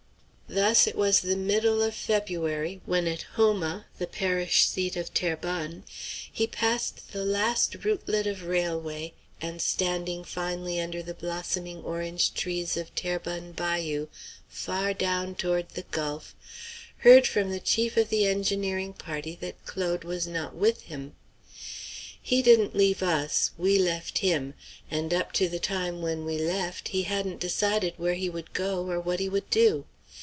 Thus it was the middle of February when at Houma, the parish seat of Terrebonne, he passed the last rootlet of railway, and, standing finally under the blossoming orange trees of Terrebonne Bayou far down toward the Gulf, heard from the chief of the engineering party that Claude was not with him. "He didn't leave us; we left him; and up to the time when we left he hadn't decided where he would go or what he would do.